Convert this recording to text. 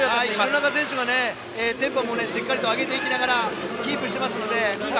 弘中選手がテンポもしっかり上げながらキープしていますので。